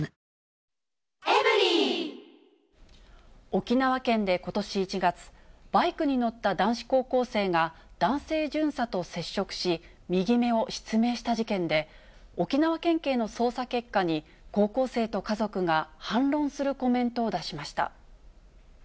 沖縄県でことし１月、バイクに乗った男子高校生が男性巡査と接触し、右目を失明した事件で、沖縄県警の捜査結果に、高校生と家族が反論するコメントを出しました。